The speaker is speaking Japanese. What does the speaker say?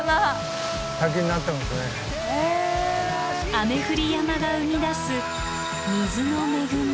雨降り山が生み出す水の恵み。